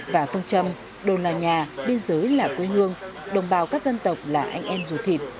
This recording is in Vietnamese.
và phương châm đồn là nhà biên giới là quê hương đồng bào các dân tộc là anh em ruột thịt